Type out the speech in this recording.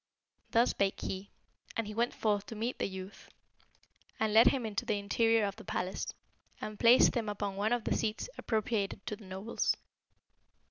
"Thus spake he, and he went forth to meet the youth, and led him into the interior of the palace, and placed him upon one of the seats appropriated to the nobles.